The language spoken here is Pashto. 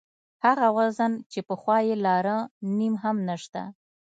هغه وزن چې پخوا یې لاره نیم هم نشته.